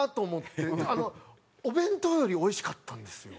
お弁当よりおいしかったんですよ。